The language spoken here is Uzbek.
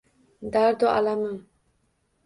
Dardu alamin.